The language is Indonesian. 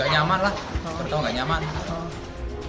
ya nggak nyaman lah